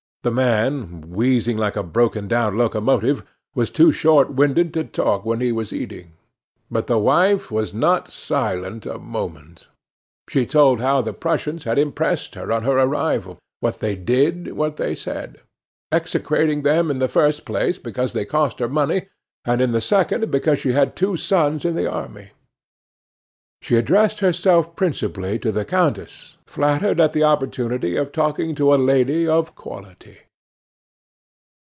The man, wheezing like a broken down locomotive, was too short winded to talk when he was eating. But the wife was not silent a moment; she told how the Prussians had impressed her on their arrival, what they did, what they said; execrating them in the first place because they cost her money, and in the second because she had two sons in the army. She addressed herself principally to the countess, flattered at the opportunity of talking to a lady of quality.